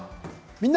「みんな！